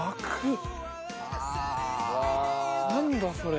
何だそれ。